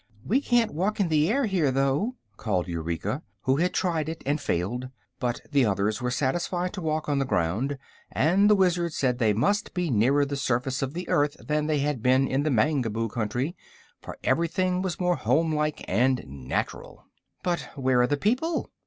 "We can't walk in the air here, though," called Eureka, who had tried it and failed; but the others were satisfied to walk on the ground, and the Wizard said they must be nearer the surface of the earth than they had been in the Mangaboo country, for everything was more homelike and natural. "But where are the people?"